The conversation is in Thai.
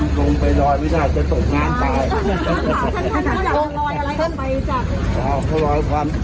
นี่กองไปรอยมีอะไรจะตกน้้ำไปลอยอะไรน่ะก็ลอยความ